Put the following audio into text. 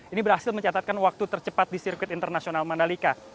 ini berhasil mencatatkan waktu tercepat di sirkuit internasional mandalika